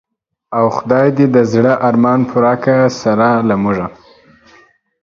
خدای دی د زړه ارمان پوره که سره له مونږه